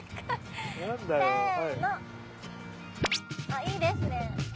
っいいですね。